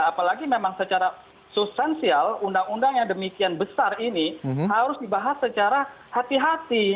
apalagi memang secara substansial undang undang yang demikian besar ini harus dibahas secara hati hati